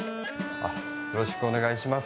よろしくお願いします。